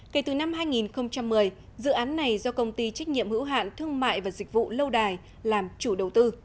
kể từ năm hai nghìn một mươi dự án này do công ty trách nhiệm hữu hạn thương mại và dịch vụ lâu đài làm chủ đầu tư